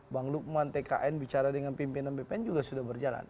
bang lukman tkn bicara dengan pimpinan bpn juga sudah berjalan